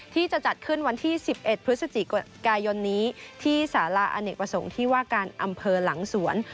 ที่จะจัดขึ้นวันที่๑๑พฤศจิกายนนี้ที่สาระอเนกประสงค์ที่ว่าการอำเภอหลังสวน